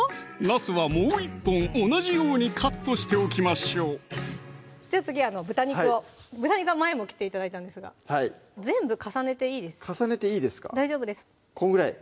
なすはもう１本同じようにカットしておきましょうじゃあ次は豚肉を豚肉は前も切って頂いたんですが全部重ねていいです重ねていいですかこんぐらい？